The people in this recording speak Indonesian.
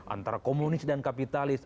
antara komunis dan kapitalis